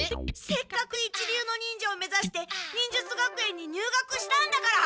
せっかく一流の忍者を目ざして忍術学園に入学したんだから！